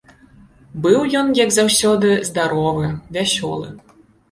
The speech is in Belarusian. Быў ён, як заўсёды, здаровы, вясёлы.